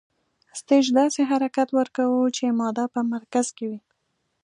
سټیج داسې حرکت ورکوو چې ماده په مرکز کې وي.